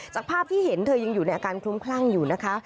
จากภาพที่เห็นเธอยังอยู่ในอาการคลุ้มคลั่งอยู่นะคะ